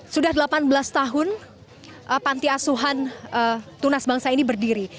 sudah delapan belas tahun panti asuhan tunas bangsa ini berdiri